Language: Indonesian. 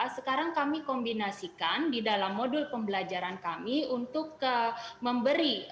sekarang kami kombinasikan di dalam modul pembelajaran kami untuk memberi